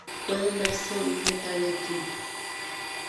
Pueden verse un detalle aquí.